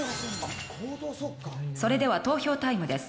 それでは投票タイムです。